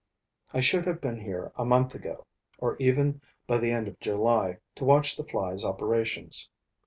I should have been here a month ago, or even by the end of July, to watch the fly's operations.